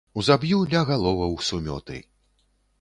Узаб'ю ля галоваў сумёты.